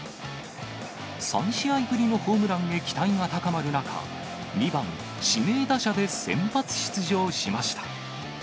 ３試合ぶりのホームランへ期待が高まる中、２番指名打者で先発出場しました。